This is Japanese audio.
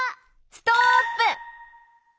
ストップ！